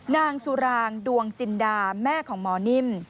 นางสุรางดวงจินดาแม่ของหมอนิ่ม